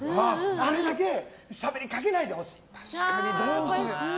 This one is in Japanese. あれだけしゃべりかけないでほしい。